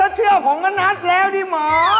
เชื่อผมก็นัดแล้วดิหมอ